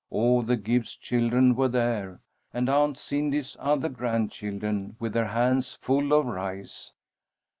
All the Gibbs children were there, and Aunt Cindy's other grandchildren, with their hands full of rice.